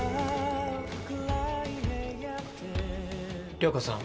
涼子さん。